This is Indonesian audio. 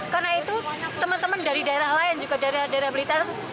karena itu teman teman dari daerah lain juga daerah daerah blitar